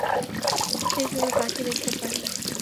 সে শুধু তাকেই দেখতে পারে।